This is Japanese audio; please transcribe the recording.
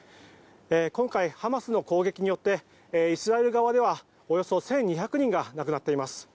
今回、ハマスの攻撃によってイスラエル側ではおよそ１２００人が亡くなっています。